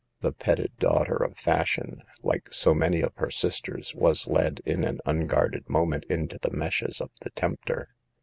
The petted daughter of fashion, like so many of her sis ters, was led, in an unguarded moment, into the meshes of the tempter.